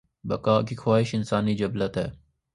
بقا کی خواہش انسانی جبلت ہے۔